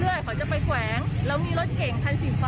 เบื้องต้นเนี่ยคาดว่าน่าจะมาจากฝนตกทะเลเลยค่ะ